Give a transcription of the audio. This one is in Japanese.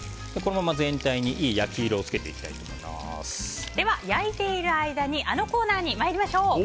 このまま全体にいい焼き色を焼いている間にあのコーナーに参りましょう。